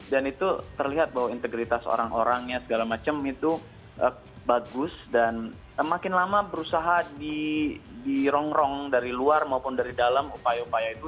dan itu terlihat bahwa integritas orang orangnya segala macam itu bagus dan makin lama berusaha dirongrong dari luar maupun dari dalam upaya upaya itu